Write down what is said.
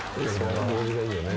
同時がいいよね。